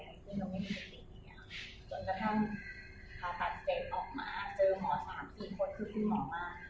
อะไรที่เราไม่มีคิดอย่างนี้จนกระทั่งภาษา๗ออกมาเจอหมอ๓อีกคนคือพี่หมอมา